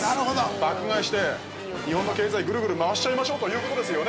爆買いして、日本の経済ぐるぐる回しちゃいましょうということですね。